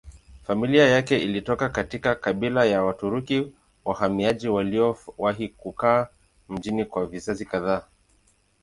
Familia yake ilitoka katika kabila ya Waturuki wahamiaji waliowahi kukaa mjini kwa vizazi kadhaa.